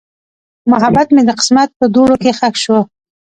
محبت مې د قسمت په دوړو کې ښخ شو.